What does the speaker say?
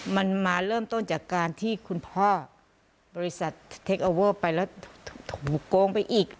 มันมาเริ่มต้นจากการที่คุณพ่อบริษัทเทคโอเวอร์ไปแล้วถูกโกงไปอีก